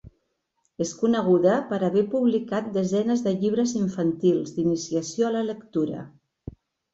És coneguda per haver publicat desenes de llibres infantils d'iniciació a la lectura.